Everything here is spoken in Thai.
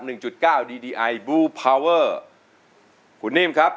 หนึ่งจุดเก้าดีดีไอบลูพาวเวอร์คุณนิ่มครับ